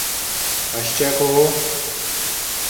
— А ще кого?